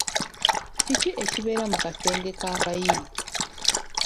Kiki ekibeera mu kasenge k'abayi?